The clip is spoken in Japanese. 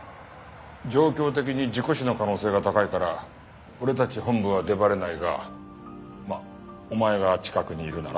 状況的に事故死の可能性が高いから俺たち本部は出張れないがまあお前が近くにいるなら。